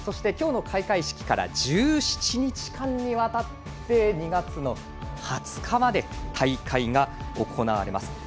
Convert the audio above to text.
今日の開会式から１７日間にわたって２月の２０日まで大会が行われます。